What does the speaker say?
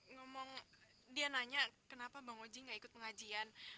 ngomong dia nanya kenapa bang oji gak ikut pengajian